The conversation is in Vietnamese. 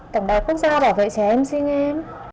tổng đài quốc gia bảo vệ trẻ em xin nghe em